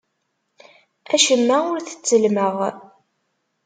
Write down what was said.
Acemma ur t-ttellmeɣ.